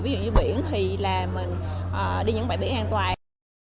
ví dụ như biển thì là mình đi những bãi biển an toàn